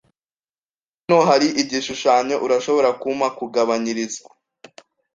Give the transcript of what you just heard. Hano hari igishushanyo. Urashobora kumpa kugabanyirizwa?